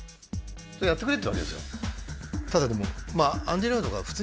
それやってくれって言うわけですよ